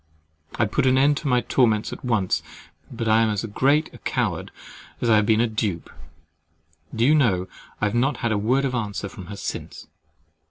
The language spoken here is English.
I would put an end to my torments at once; but I am as great a coward as I have been a dupe. Do you know I have not had a word of answer from her since!